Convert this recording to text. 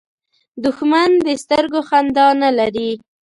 دښمن د سترګو خندا نه لري